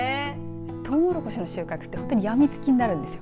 トウモロコシの収穫ってやみつきになるんですよ。